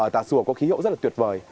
tà sùa có khí hậu rất là tuyệt vời